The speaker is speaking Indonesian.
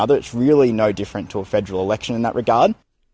itu tidak berbeda dengan pemerintah negara dalam hal tersebut